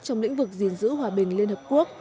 trong lĩnh vực gìn giữ hòa bình liên hợp quốc